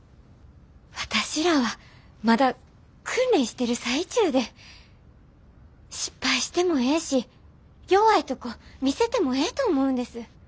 私らはまだ訓練してる最中で失敗してもええし弱いとこ見せてもええと思うんです。